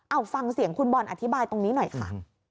เอาฟังเสียงคุณบอลอธิบายตรงนี้หน่อยค่ะ